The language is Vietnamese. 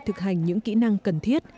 thực hành những kỹ năng cần thiết